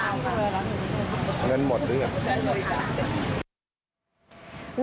เงินหมดหรือยัง